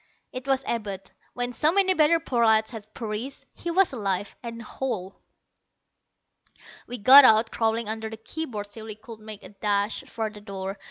It was Abud. When so many better prolats had perished, he was alive and whole. We got out, crawling under the key boards till we could make a dash for the door.